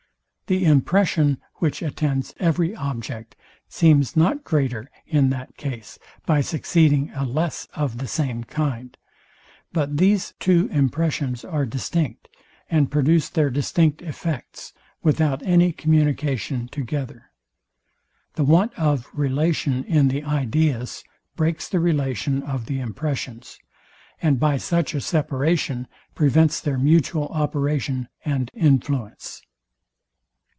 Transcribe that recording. The impression, which attends every object, seems not greater in that case by succeeding a less of the same kind; but these two impressions are distinct, and produce their distinct effects, without any communication together. The want of relation in the ideas breaks the relation of the impressions, and by such a separation prevents their mutual operation and influence.